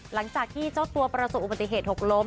หลังจากที่เจ้าตัวประสบอุบัติเหตุหกล้ม